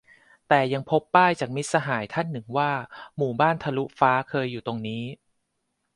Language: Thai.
แต่ยังพบป้ายจาก มิตรสหายท่านหนึ่ง ว่า หมู่บ้านทะลุฟ้า เคยอยู่ตรงนี้